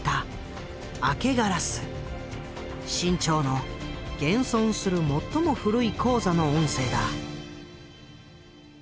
志ん朝の現存する最も古い高座の音声だ。